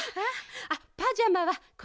あパジャマはこれよ。